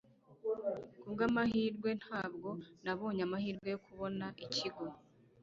kubwamahirwe, ntabwo nabonye amahirwe yo kubona ikigo